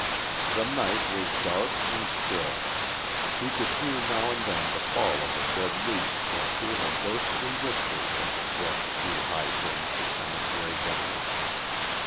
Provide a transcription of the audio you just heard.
The night was dark and still. He could hear now and then the fall of a dead leaf that gave a ghostly whisper as it brushed through high branches on its way down.